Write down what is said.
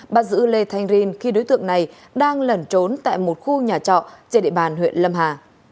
bắt giữ lê thanh rin khi đối tượng này đang lẩn trốn tại một khu nhà trọ trên địa bàn huyện lâm hà